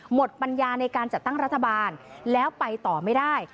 ปัญญาในการจัดตั้งรัฐบาลแล้วไปต่อไม่ได้